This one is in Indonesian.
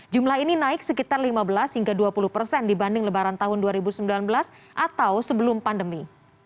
jumlah ini naik sekitar lima belas hingga dua puluh persen dibanding lebaran tahun dua ribu sembilan belas atau sebelum pandemi